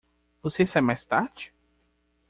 Você sai mais tarde?